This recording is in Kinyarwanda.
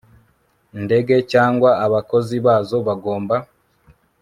ndege cyangwa abakozi bazo bagomba